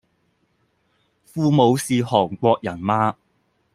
父母是韓國人嗎？